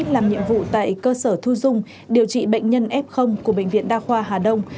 làm nhiệm vụ tại cơ sở thu dung điều trị bệnh nhân f của bệnh viện đa khoa hà đông